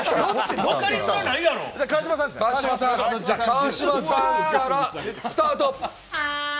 川島さんからスタート。